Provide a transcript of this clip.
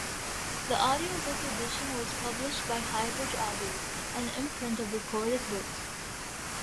The audiobook edition was published by HighBridge Audio, an imprint of Recorded Books.